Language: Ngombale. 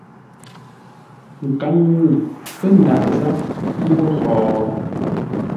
Nkaŋ-ŋuu pə́ ndaʼ záp ńgó ho?